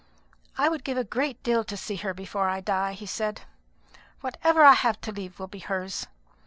"I would give a great deal to see her before I die," he said. "Whatever I have to leave will be hers.